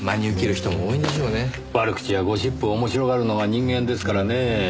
悪口やゴシップを面白がるのが人間ですからねぇ。